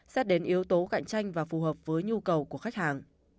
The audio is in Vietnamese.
xét đến yếu tố cạnh tranh và phù hợp với nhu cầu của khách hàng